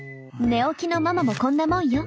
寝起きのママもこんなもんよ。